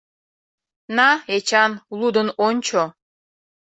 На, Эчан, лудын ончо.